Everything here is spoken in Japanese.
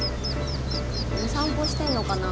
お散歩してるのかな？